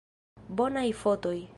Bonaj fotoj!